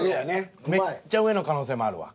めっちゃ上の可能性もあるわ。